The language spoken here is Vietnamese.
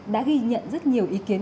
đã ghi nhận rất nhiều ý kiến